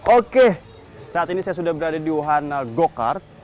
oke saat ini saya sudah berada di wahana go kart